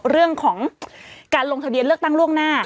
เรื่องของการลงทะเบียนเลือกตั้งล่วงหน้า